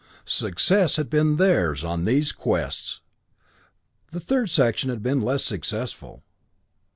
Success had been theirs on these quests. The third section had been less successful.